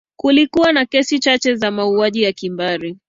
kulikuwa na kesi chache za mauaji ya kimbari